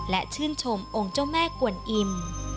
และชื่นชมองค์เจ้าแม่กวนอิ่ม